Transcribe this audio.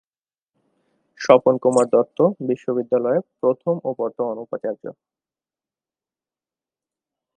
স্বপন কুমার দত্ত বিশ্ববিদ্যালয়ে প্রথম ও বর্তমান উপাচার্য।